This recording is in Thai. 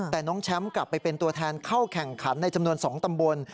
แต่น้องแชมป์กลับไปเป็นตัวแทนเข้าแข่งขันในจำนวน๒ตำบล